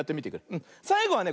さいごはね